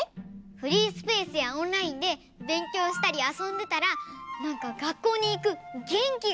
フリースペースやオンラインでべんきょうしたりあそんでたらなんかがっこうにいくげんきがでてきた！